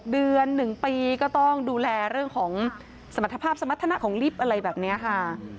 เดือน๑ปีก็ต้องดูแลเรื่องของสมรรถภาพสมรรถนะของลิฟต์อะไรแบบนี้ค่ะ